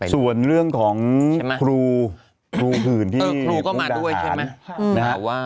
ส่วนเรื่องของครูครูผื่นที่กรุงดังฐาน